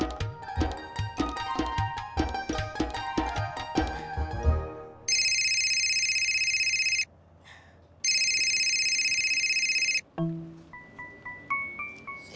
tidak ada yang nanya